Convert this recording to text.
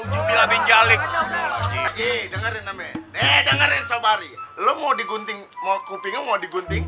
ujungi lebih jalik ngerti dengerin sobat lu mau digunting mau kuping mau digunting